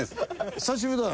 久しぶりだね。